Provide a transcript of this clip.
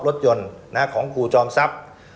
รถยนต์ของครูจอมทรัพย์